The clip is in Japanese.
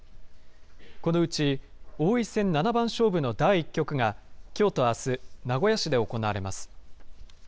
このうち王位戦七番勝負の第１局がきょうとあす、名古屋市で行われます。